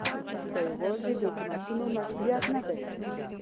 دا یوازې د حکومتونو مسؤلیت نه دی.